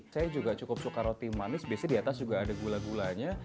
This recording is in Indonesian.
saya juga cukup suka roti manis biasanya di atas juga ada gula gulanya